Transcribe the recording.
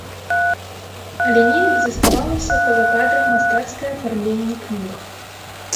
Але неяк заставалася па-за кадрам мастацкае афармленне кніг.